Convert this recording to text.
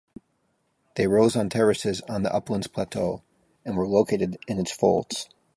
They rose on terraces on the Uplands plateau and were located in its folds.